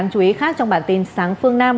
đáng chú ý khác trong bản tin sáng phương nam